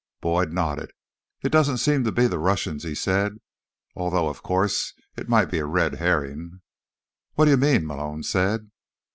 Boyd nodded. "It doesn't seem to be the Russians," he said. "Although, of course, it might be a Red herring." "What do you mean?" Malone said.